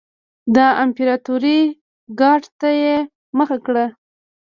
د امپراتورۍ ګارډ ته یې مخه کړه